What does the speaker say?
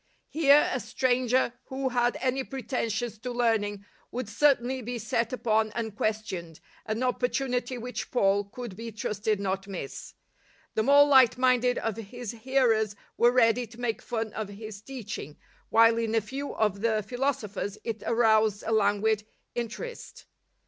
Here a stranger who had any preten sions to learning would certainly be set upon and questioned, an opportunity which Paul could be trusted not to miss. The more light minded of his hearers were ready to make fun of his teaching, while in a few of the philosophers it aroused a languid interest.